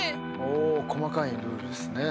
お細かいルールですね。